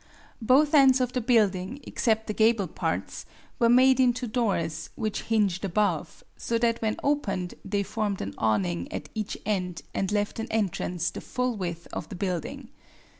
Both ends of the building, except the gable parts, were made into doors which hinged above, so that when opened they formed an awning at each end and left an entrance the full width of the building.